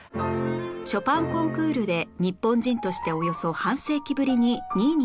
ショパンコンクールで日本人としておよそ半世紀ぶりに２位に入賞